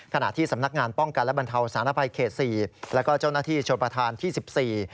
ขณะที่สำนักงานป้องกันและบรรเทาศาสนภัยเขต๔และเจ้าหน้าที่โชคประทานที่๑๔